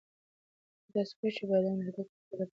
آیا تاسو پوهېږئ چې بادام د هډوکو د روغتیا لپاره کلسیم لري؟